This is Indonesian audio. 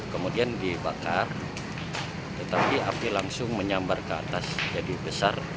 kemudian dibakar tetapi api langsung menyambar ke atas jadi besar